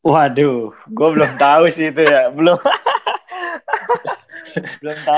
waduh gue belum tau sih itu ya belum hahaha